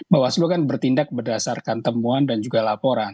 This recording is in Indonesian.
bawaslu kan bertindak berdasarkan temuan dan juga laporan